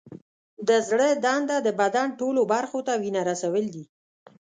د زړه دنده د بدن ټولو برخو ته وینه رسول دي.